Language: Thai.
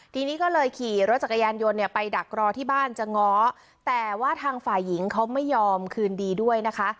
ทีนี้ก็เลยขี่รถจักรยานยนต์เนี่ยไปดักรอที่บ้านจะง้อแต่ว่าทางฝ่ายหญิงเขาไม่ยอมคืนดีด้วยนะคะ